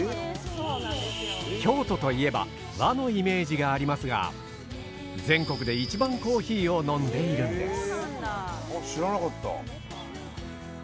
京都といえば「和」のイメージがありますが全国で一番コーヒーを飲んでいるんです。